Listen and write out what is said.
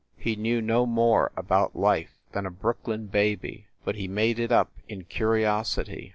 He knew no more about life than a Brooklyn baby, but he made it up in curiosity.